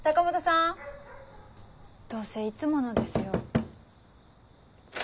どうせいつものですよ。